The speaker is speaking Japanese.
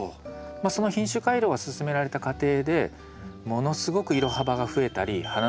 その品種改良が進められた過程でものすごく色幅が増えたり花の形が増えたり